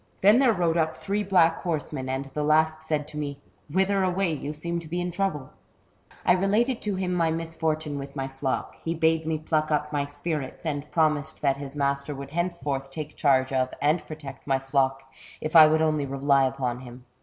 " Then there rode up three black horsemen, and the last said to me :* Whither away ? you seem to be in trouble ?' "I related to him my misfortune with my flock. He bade me pluck up my spirits, and promised that his master would henceforth take charge of and protect my flock, if I would only rely upon him.